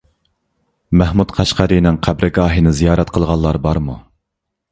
مەھمۇد قەشقەرىنىڭ قەبرىگاھىنى زىيارەت قىلغانلار بارمۇ؟